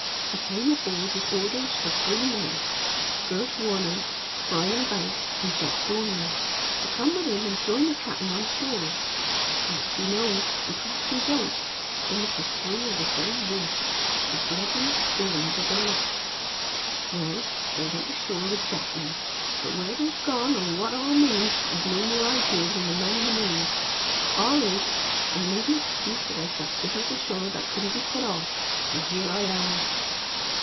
He came aboard with orders for three men Gurt Warnell, Bryan Vank, and Jack Dormer to come with him and join the cap'n on shore. P'raps ye know, and p'raps ye don't, them is three of the very worst the bloodiest villains of the lot. Well, they went ashore with Jackman, but where they've gone or what it all means I've no more idea than the man in the moon. All is, I made an excuse that I'd got business ashore that couldn't be put off, and here I am."